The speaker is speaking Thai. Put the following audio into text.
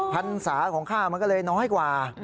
พันศาของข้ามันก็เลยน้อยกว่า